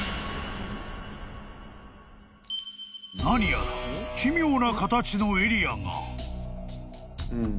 ［何やら奇妙な形のエリアが］